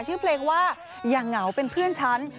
ชื่อเพลงว่าอย่าเหงาเป็นเพื่อนฉัน